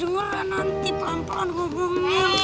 cuma nanti pelan pelan hubungin